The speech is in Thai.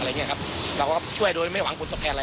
เราก็ช่วยโดยไม่หวังผลตอบแทนอะไร